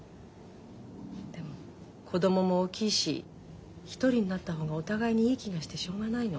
でも子供も大きいし一人になった方がお互いにいい気がしてしょうがないの。